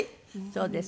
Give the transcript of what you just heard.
そうですか。